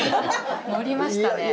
乗りましたね。